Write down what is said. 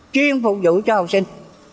chuyên phục vụ cho học sinh